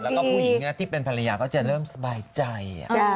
แล้วก็ผู้หญิงที่เป็นภรรยาก็จะเริ่มสบายใจ